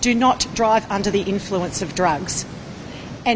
jangan bergerak terhadap pengaruh berkandungan